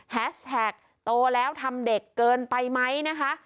แฮชแท็กโตแล้วทำเด็กเกินไปไหมนะคะ